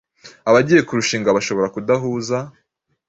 abagiye kurushinga bashobora kudahuza,